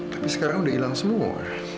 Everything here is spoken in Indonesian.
tapi sekarang udah hilang semua